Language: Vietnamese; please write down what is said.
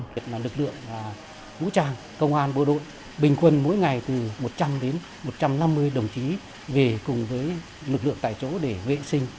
việc là lực lượng vũ trang công an bộ đội bình quân mỗi ngày từ một trăm linh đến một trăm năm mươi đồng chí về cùng với lực lượng tại chỗ để vệ sinh